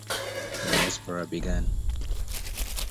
The diaspora began.